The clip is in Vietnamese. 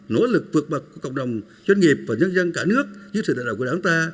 nỗ lực vượt bậc của cộng đồng doanh nghiệp và nhân dân cả nước dưới sự đại đạo của đảng ta